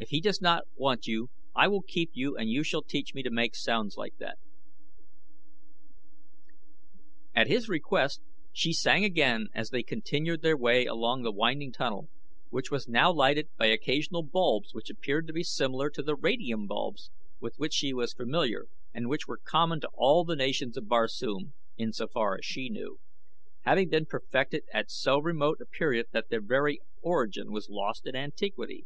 "If he does not want you I will keep you and you shall teach me to make sounds like that." At his request she sang again as they continued their way along the winding tunnel, which was now lighted by occasional bulbs which appeared to be similar to the radium bulbs with which she was familiar and which were common to all the nations of Barsoom, insofar as she knew, having been perfected at so remote a period that their very origin was lost in antiquity.